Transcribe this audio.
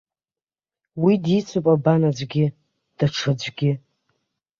Уи дицуп абан аӡәгьы, даҽаӡәгьы.